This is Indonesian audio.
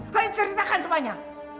nenek ceritakan semuanya